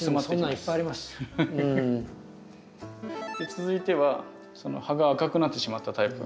続いてはその葉が赤くなってしまったタイプ。